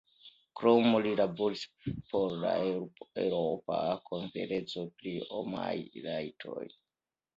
Krome li laboris por la Eŭropa Konferenco pri homaj rajtoj.